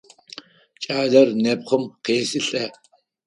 Кӏалэр нэпкъым къесылӏэ.